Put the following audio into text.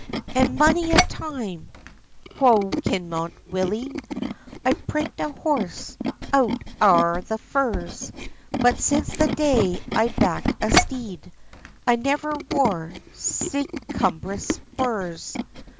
"And mony a time," quo Kinmont Willie, "I've pricked a horse out oure the furs; But since the day I backed a steed I nevir wore sic cumbrous spurs!"